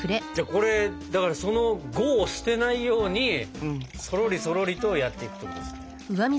これその「呉」を捨てないようにそろりそろりとやっていくということですね。